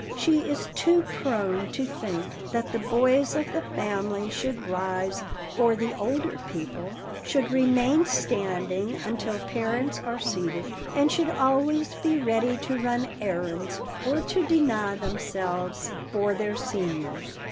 She is too prone to think that the boys of the family should rise for the older people, should remain standing until parents are seated, and should always be ready to run errands, or to deny themselves for their seniors.